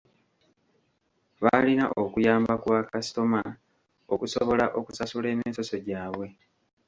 Baalina okuyamba ku bakasitoma okusobola okusasula emisoso gyabwe.